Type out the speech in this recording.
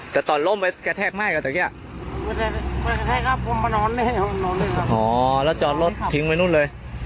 แต่ตอนลมไปแกแทกไม่อ่ะตัวเนี้ยอ๋อแล้วจอดรถทิ้งไว้นู้นเลย